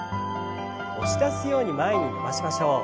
押し出すように前に伸ばしましょう。